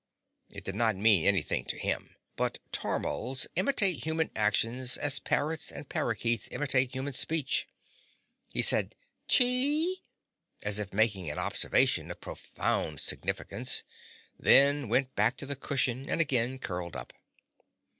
It did not mean anything to him, but tormals imitate human actions as parrots and parrakeets imitate human speech. He said, "Chee!" as if making an observation of profound significance, then went back to the cushion and again curled up.